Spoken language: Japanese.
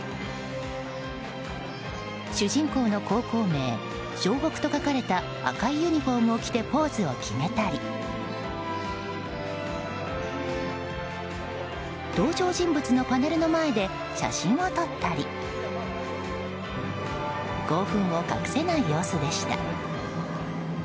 主人公の高校名「ＳＨＯＨＯＫＵ」と書かれた赤いユニホームを着てポーズを決めたり登場人物のパネルの前で写真を撮ったり興奮を隠せない様子でした。